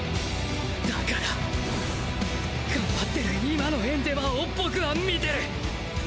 だから頑張ってる今のエンデヴァーを僕は見てる！